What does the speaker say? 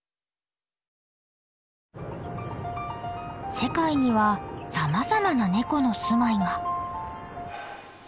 世界にはさまざまなネコの住まいが。